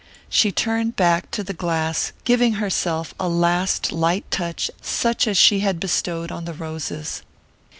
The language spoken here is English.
She turned back to the glass, giving herself a last light touch such as she had bestowed on the roses.